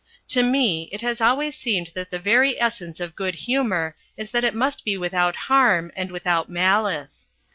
To me it has always seemed that the very essence of good humour is that it must be without harm and without malice.